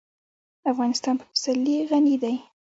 افغانستان په پسرلی غني دی.